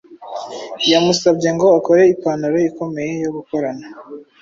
yamusabye ngo akore ipantaro ikomeye yo gukorana.